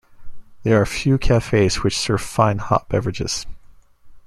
There are a few cafes which serve fine hot beverages.